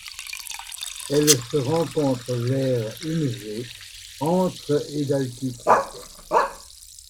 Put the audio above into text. Elle se rencontre vers Umgé entre et d'altitude.